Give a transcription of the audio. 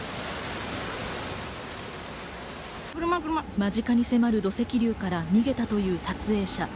間近に迫る土石流から逃げたという撮影者。